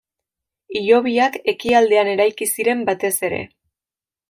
Hilobiak Ekialdean eraiki ziren batez ere.